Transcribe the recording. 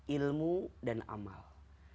ilmu dan amal